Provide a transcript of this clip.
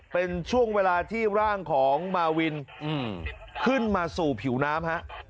เป็นช่วงเวลาที่ร่างของมาวินขึ้นมาสู่ผิวน้ำ